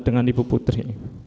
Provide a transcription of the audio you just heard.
dengan ibu putri